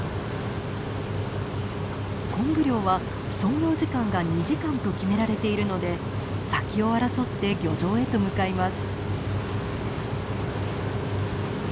コンブ漁は操業時間が２時間と決められているので先を争って漁場へと向かいます。